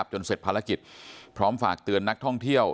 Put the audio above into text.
จนเสร็จภารกิจพร้อมฝากเตือนนักท่องเที่ยว